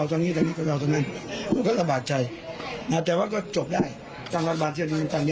ตั้งรัฐบาลที่มันตั้งยากก็ต้องเข้าใจ